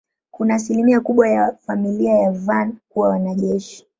Kuna asilimia kubwa ya familia ya Van kuwa wanajeshi.